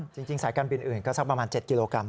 สายการบินอื่นก็สักประมาณ๗กิโลกรั